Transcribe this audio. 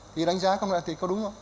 thì đánh giá không là đúng không